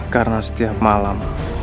karena setiap malam